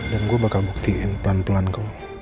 dan gue bakal buktiin pelan pelan ke lo